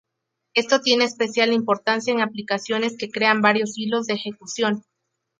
Esto tiene especial importancia en aplicaciones que crean varios hilos de ejecución.